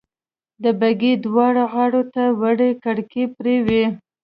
د بګۍ دواړو غاړو ته وړې کړکۍ پرې وې.